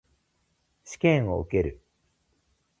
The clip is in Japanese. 試験を受ける。